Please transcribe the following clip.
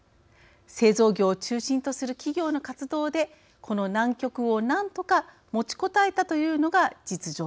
製造業を中心とする企業の活動でこの難局をなんとかもちこたえたというのが実情でしょう。